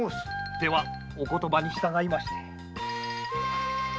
ではお言葉に従いまして。